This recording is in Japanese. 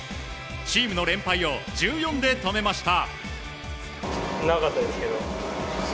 チームの連敗を１４で止めました。